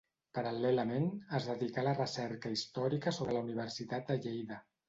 Paral·lelament, es dedicà a la recerca històrica sobre la Universitat de Lleida.